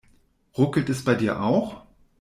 Ruckelt es bei dir auch?